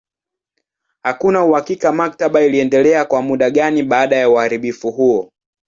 Hakuna uhakika maktaba iliendelea kwa muda gani baada ya uharibifu huo.